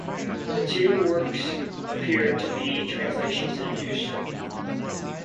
The two works appear to be translations and history.